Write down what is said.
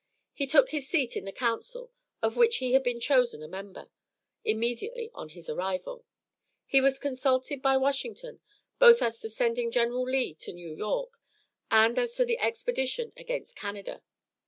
He took his seat in the council, of which he had been chosen a member, immediately on his arrival. He was consulted by Washington, both as to sending General Lee to New York, and as to the expedition against Canada.